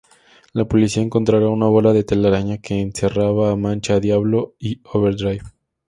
La policía encontrará una bola de telaraña que encerraba a Mancha, Diablo y Overdrive.